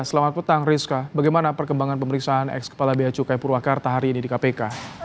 selamat petang rizka bagaimana perkembangan pemeriksaan ex kepala bacukai purwakarta hari ini di kpk